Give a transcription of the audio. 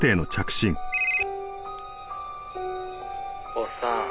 「おっさん